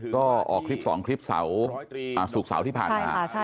ก็ออกคลิป๒คลิปสาวสูบสาวที่ผ่านมา